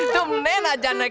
tumpas nana jalan ya